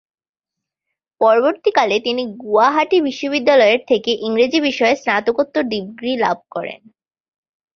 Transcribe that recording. পরবর্তী কালে তিনি গুয়াহাটি বিশ্ববিদ্যালয়-এর থেকে ইংরেজি বিষয়ে স্নাতকোত্তর ডিগ্রী লাভ করেন।